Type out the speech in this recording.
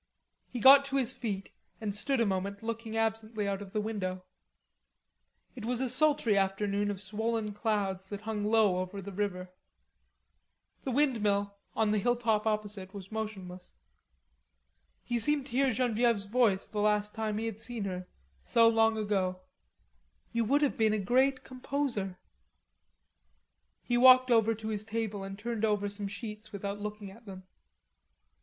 He got to his feet and stood a moment looking absently out of the window. It was a sultry afternoon of swollen clouds that hung low over the river. The windmill on the hilltop opposite was motionless. He seemed to hear Genevieve's voice the last time he had seen her, so long ago. "You would have been a great composer." He walked over to the table and turned over some sheets without looking at them.